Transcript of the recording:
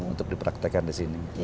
untuk dipraktekan di sini